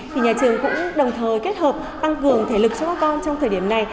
thì nhà trường cũng đồng thời kết hợp tăng cường thể lực cho các con trong thời điểm này